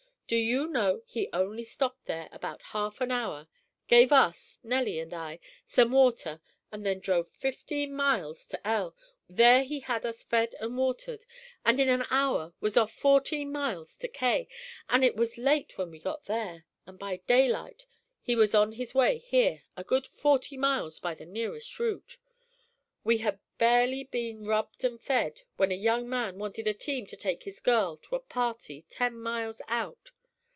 Do you know he only stopped there about half an hour, gave us Nellie and I some water and then drove fifteen miles to L ; there he had us fed and watered, and in an hour was off fourteen miles to K . It was late when we got there, and by daylight he was on his way here, a good forty miles by the nearest route. We had barely been rubbed and fed, when a young man wanted a team to take his girl to a party ten miles out.